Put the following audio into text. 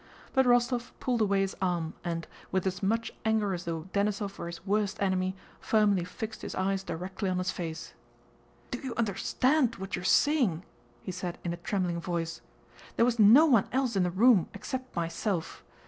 But Rostóv pulled away his arm and, with as much anger as though Denísov were his worst enemy, firmly fixed his eyes directly on his face. "Do you understand what you're saying?" he said in a trembling voice. "There was no one else in the room except myself.